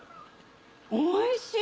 おいしい！